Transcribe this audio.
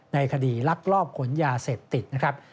ในคดีลักลอบขนยาเสพติดนะครับ